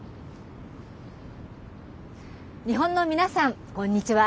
日本の皆さんこんにちは。